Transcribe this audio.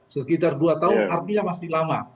sekitar dua tahun artinya masih lama